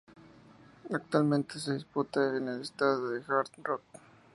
Actualmente se disputa en el Estadio Hard Rock.